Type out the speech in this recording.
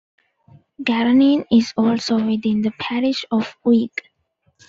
Garenin is also within the parish of Uig.